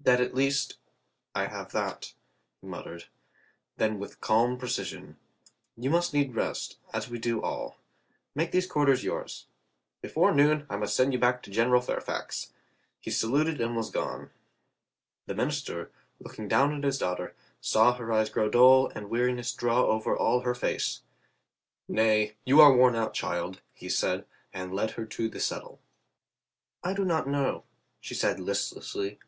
"That at least — I have that," he muttered. Then with calm precision, "You must need rest, as we do all. Make these quarters yours. Before noon, I must send j^ou back to General Fairfax." He sa luted and was gone. COLONEL RICH IS INTERRUPTED 31/ The minister, looking down at his daughter, saw her eyes grow dull and weariness draw over all her face. "Nay, you are worn out, child," he said, and led her to the settle. "I do not know," she said listlessly.